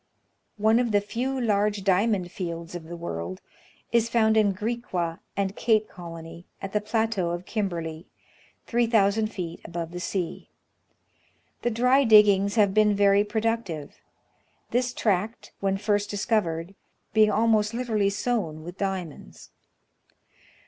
One of the few large diamond fields of the world is found in Griqua and Cape Colony, at the plateau of Kimberly, 3,000 feet above the sea. The dry diggings have been very productive ; this tract, when first discovered, being almost literally sown with diamonds.